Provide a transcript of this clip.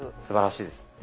すばらしいです。